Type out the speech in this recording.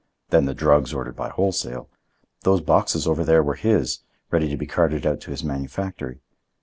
Then the drugs ordered by wholesale. Those boxes over there were his, ready to be carted out to his manufactory.